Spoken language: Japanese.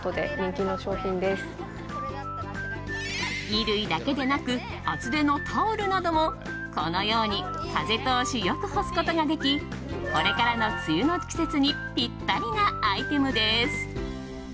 衣類だけでなく厚手のタオルなどもこのように風通し良く干すことができこれからの梅雨の季節にピッタリなアイテムです。